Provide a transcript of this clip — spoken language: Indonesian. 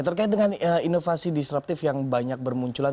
terkait dengan inovasi disruptif yang banyak bermunculan